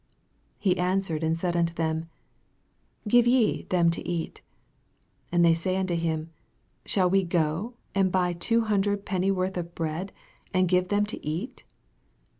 37 He answered and said unto them, Give ye them to eat. And they say unto him, Shall we go and buy two hundred penny worth of bread, and give them to eat?